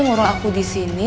yang kurang aku di sini